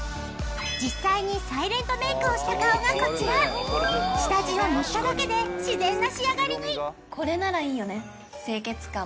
実際にサイレントメイクをした顔がこちら下地を塗っただけでこれならいいよね。